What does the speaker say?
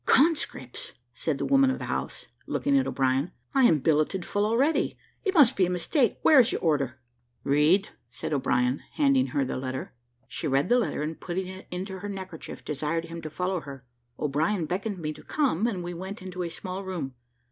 "Conscripts!" said the woman of the house, looking at O'Brien; "I am billeted full already. It must be a mistake. Where is your order?" "Read," said O'Brien, handing her the letter. She read the letter, and putting it into her neckerchief, desired him to follow her. O'Brien beckoned me to come, and we went into a small room.